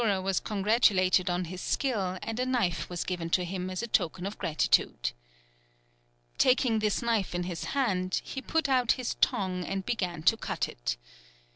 The conjuror was congratulated on his skill, and a knife was given to him as a token of gratitude. Taking this knife in his hand, he put out his tongue, and began to cut it.